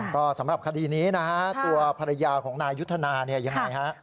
ก็สำหรับคดีนี้นะฮะตัวภรรยาของนายยุทธนาเนี่ยยังไงฮะ